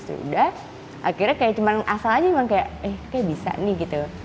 terus udah akhirnya kayak cuman asal aja cuman kayak eh kayak bisa nih gitu